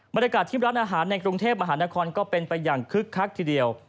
บรรยากาศที่ร้านอาหารในกรุงเทพมหานครก็เป็นไปอย่างคึกคักทีเดียว